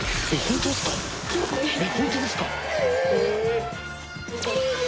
本当ですか？